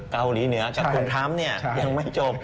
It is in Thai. เกาหลีเหนือจัดควบคล้ำยังไม่จบ